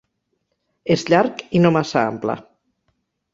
És llarg i no massa ample.